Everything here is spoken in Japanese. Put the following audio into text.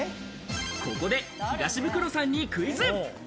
ここで東ブクロさんにクイズ。